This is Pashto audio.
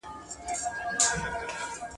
بې یسینه بې وصیته په کفن یو ,